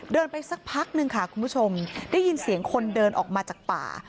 ไปสักพักนึงค่ะคุณผู้ชมได้ยินเสียงคนเดินออกมาจากป่า